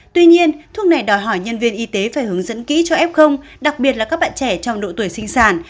tuy nhiên thuốc này đòi hỏi nhân viên y tế phải hướng dẫn kỹ cho f đặc biệt là các bạn trẻ trong độ tuổi sinh sản